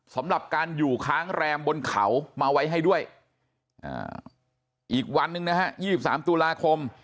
สำหรับการอยู่ค้างแรมบนเขามาไว้ให้ด้วยอีกวันหนึ่งนะฮะ๒๓ตุลาคม